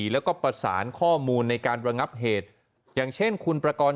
แล้วก็ประสานข้อมูลในการระงับเหตุอย่างเช่นคุณประกอบ